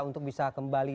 untuk bisa kembali